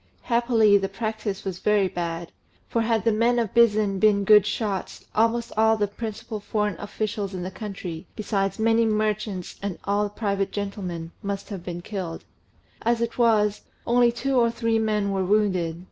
Happily, the practice was very bad; for had the men of Bizen been good shots, almost all the principal foreign officials in the country, besides many merchants and private gentlemen, must have been killed: as it was, only two or three men were wounded.